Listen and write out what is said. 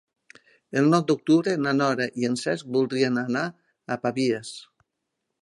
El nou d'octubre na Nora i en Cesc voldrien anar a Pavies.